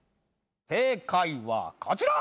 正解はこちら！